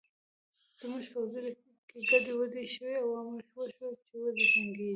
زموږ پوځي لیکې ګډې وډې شوې او امر وشو چې وجنګېږو